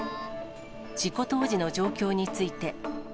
事故当時の状況について。